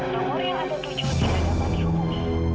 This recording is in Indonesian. nomor yang ke tujuh di hadapan rumuh